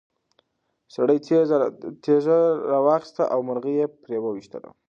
سړي تیږه راواخیسته او مرغۍ یې پرې وویشتله.